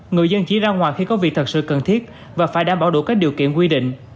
người dân chỉ ra ngoài khi có việc thật sự cần thiết và phải đảm bảo đủ các điều kiện quy định